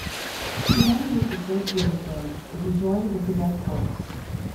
He then moved to Saint Petersburg, where he joined the Cadet Corps.